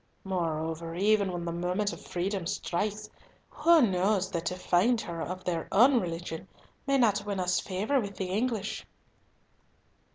Moreover, even when the moment of freedom strikes, who knows that to find her of their own religion may not win us favour with the English?"